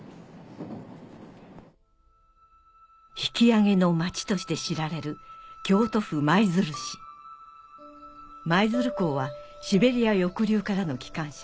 「引き揚げのまち」として知られる舞鶴港はシベリア抑留からの帰還者